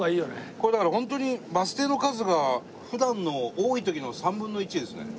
これだからホントにバス停の数が普段の多い時の３分の１ですね。